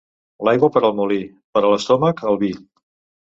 L'aigua per al molí; per a l'estómac, el vi.